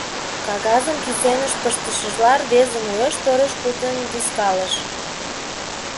Кагазым кӱсеныш пыштышыжла, рвезым уэш тореш-кутынь вискалыш.